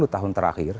sepuluh tahun terakhir